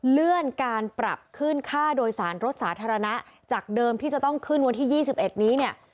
เลื่อนการปรับขึ้นค่าโดยสารรถสาธารณะจากเดิมที่จะต้องขึ้นวันที่๒๑นี้เนี่ย